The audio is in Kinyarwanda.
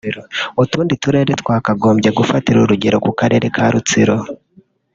“Utundi turere twakagombye gufatira urugero ku karere ka Rutsiro